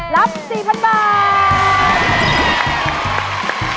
รับ๔๐๐๐บาท